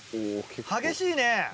激しいね！